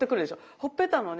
ほっぺたのね